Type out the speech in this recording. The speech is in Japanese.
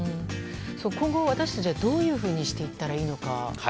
今後、私たちはどういうふうにしていったらいいのか。